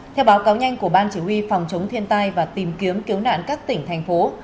theo báo cáo nhanh của ban chỉ huy phòng chống thiên tai và tìm kiếm cứu nạn các tỉnh thành phố